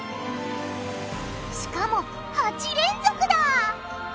しかも８連続だ！